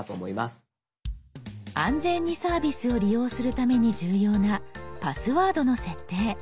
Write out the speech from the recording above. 安全にサービスを利用するために重要なパスワードの設定。